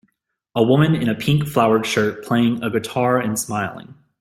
A woman in a pink flowered shirt playing a guitar and smiling